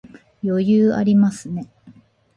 余裕ありますね